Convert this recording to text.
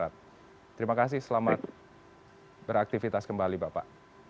terima kasih selamat beraktivitas kembali bapak